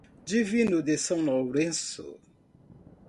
Divino de São Lourenço